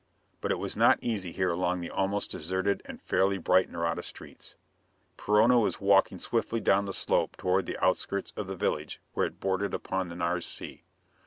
But it was not easy here along the almost deserted and fairly bright Nareda streets. Perona was walking swiftly down the slope toward the outskirts of the village where it bordered upon the Nares Sea.